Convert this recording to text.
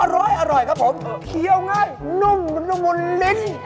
อร่อยครับผมเคี้ยวง่ายนุ่มนุ่มมุนลิ้น